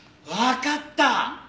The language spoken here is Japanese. わかった！